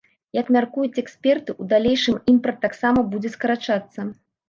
Як мяркуюць эксперты, у далейшым імпарт таксама будзе скарачацца.